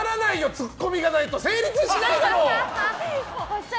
ツッコミがないと成立しないだろ！